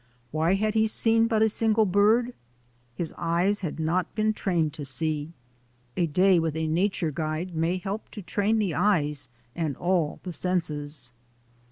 Why had he seen but a single bird? His eyes had not been trained to see. A day with a nature guide may help to train the eyes and all the senses.